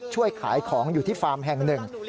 ช่วยขายของอยู่ที่ฟาร์มแห่งหนึ่ง